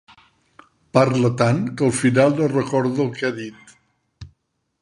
Parla tant que al final no recorda el que ha dit.